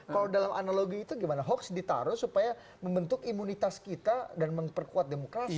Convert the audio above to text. kalau dalam analogi itu gimana hoax ditaruh supaya membentuk imunitas kita dan memperkuat demokrasi